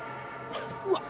うわ！？